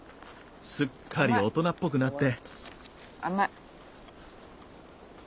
すっかり大人っぽくなって。